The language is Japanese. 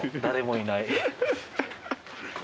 誰もいない。